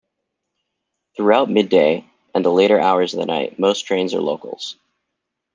Throughout midday, and the later hours of the night, most trains are locals.